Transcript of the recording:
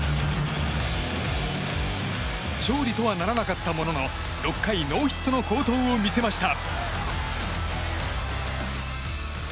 勝利とはならなかったものの６回ノーヒットの好投を見せました。